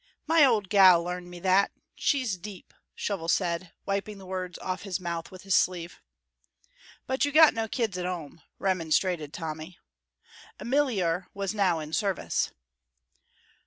"My old gal learned me that; she's deep," Shovel said, wiping the words off his mouth with his sleeve. "But you got no kids at 'ome!" remonstrated Tommy. (Ameliar was now in service.)